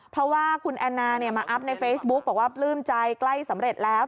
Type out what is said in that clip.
เพราะว่าคุณแอนนามาอัพในเฟซบุ๊กบอกว่าปลื้มใจใกล้สำเร็จแล้ว